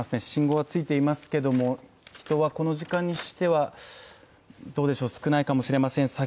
信号がついていますけれども、人はこの時間にしてはどうでしょう少ないかもしれません